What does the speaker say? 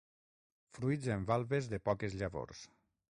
Fruits en valves de poques llavors.